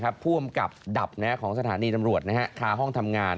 ผู้กำกับดับของสถานีตำรวจค้าห้องทำงาน